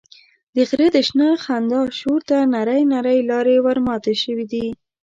د غره د شنه خندا شور ته نرۍ نرۍ لارې ورماتې شوې دي.